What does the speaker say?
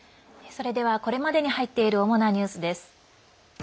これではこれまでに入っている主なニュースです。